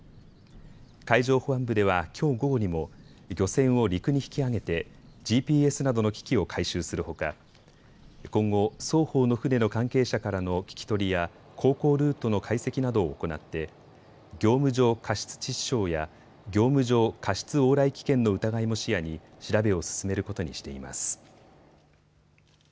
海上保安部では、きょう午後にも漁船を陸に引き揚げてＧＰＳなどの機器を回収するほか今後、双方の船の関係者からの聞き取りや航行ルートの解析などを行って業務上過失致死傷や業務上過失往来危険の疑いも視野に調べを進めることにしています。